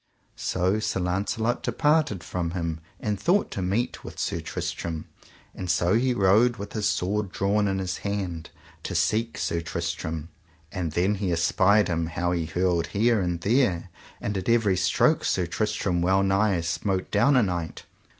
So Sir Launcelot departed from him and thought to meet with Sir Tristram, and so he rode with his sword drawn in his hand to seek Sir Tristram; and then he espied him how he hurled here and there, and at every stroke Sir Tristram wellnigh smote down a knight.